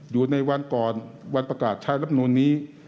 อยู่ในวันก่อนวันประกาศใช้รับนูนนี้